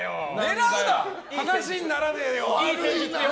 話にならねえよ！